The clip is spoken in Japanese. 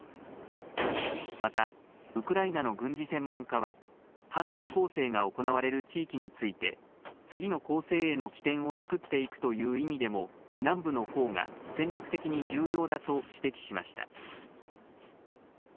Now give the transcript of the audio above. またウクライナの軍事専門家は反転攻勢が行われる地域について次の攻勢への起点を作っていくという意味でも南部のほうが戦略的に重要だと指摘しました。